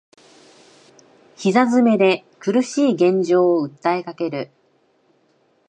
膝詰めで苦しい現状を訴えかける